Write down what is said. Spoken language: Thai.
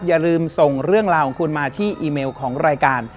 อย่าลืมส่งเรื่องราวของคุณมาที่อีเมลของรายการ